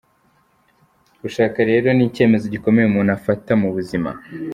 Gushaka rero ni icyemezo gikomeye umuntu afata mu buzima.